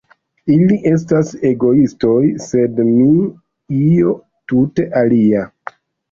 Ili estas egoistoj, sed mi -- io tute alia!